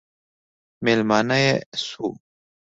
مېلمانه یې شو.